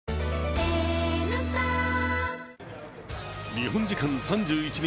日本時間３１日